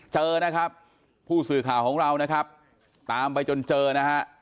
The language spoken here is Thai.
เจอนะครับผู้สื่อข่าวของเรานะครับตามไปจนเจอนะฮะ